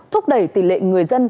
thúc đẩy tỷ lệ người dân